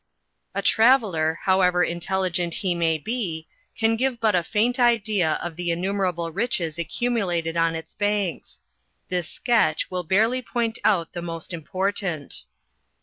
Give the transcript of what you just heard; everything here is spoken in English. A traveller, however intelligent he may be, can give but a faint idea of the innumerable riches accumulated on its banks. This sketch will barely point out the most impor tant.